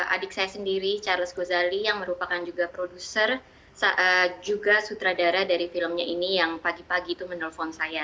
adik saya sendiri charles gozali yang merupakan juga produser juga sutradara dari filmnya ini yang pagi pagi itu menelpon saya